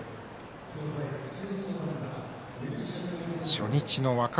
初日の若元